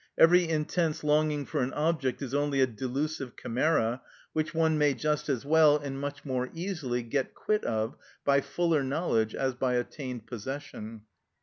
Every intense longing for an object is only a delusive chimera, which one may just as well, and much more easily, get quit of by fuller knowledge as by attained possession."